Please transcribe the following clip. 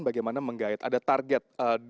bagaimana menggait ada target